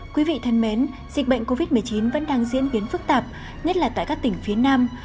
quý vị thân mến dịch bệnh covid một mươi chín vẫn đang diễn biến phức tạp nhất là tại các tỉnh phía nam